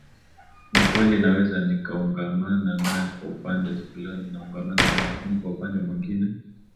ni kweli naweza nikaungana nae kwa upande fulani naungana nae lakini kwa upande mwengine